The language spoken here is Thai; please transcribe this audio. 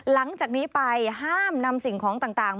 หลังจากนี้ไปห้ามนำสิ่งของต่าง